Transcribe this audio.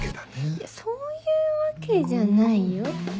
いやそういうわけじゃないよ。